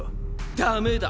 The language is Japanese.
ダメだ。